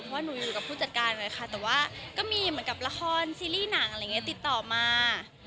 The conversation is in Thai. ว่าหนูอยู่กับผู้จัดการไว้ค่ะแต่ว่าก็มีเหมือนกับละครซีรีส์หนังอะไรอย่างนี้ติดต่อมา